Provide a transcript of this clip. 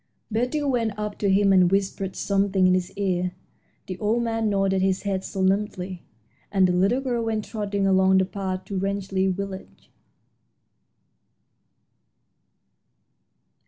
Betty went up to him and whispered something in his ear. The old man nodded his head solemnly, and the little girl went trotting along the path to Rangeley Village.